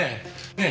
ねえ